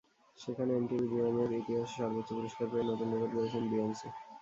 সেখানে এমটিভি ভিএমএর ইতিহাসে সর্বোচ্চ পুরস্কার পেয়ে নতুন রেকর্ড গড়েছেন বিয়োন্সে।